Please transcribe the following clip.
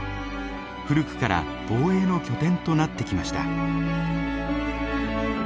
古くから防衛の拠点となってきました。